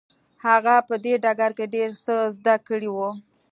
هغه په دې ډګر کې ډېر څه زده کړي وو.